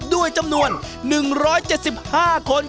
ด้วยจำนวน๑๗๕คน